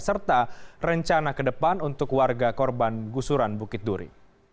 serta rencana ke depan untuk warga korban gusuran bukit duri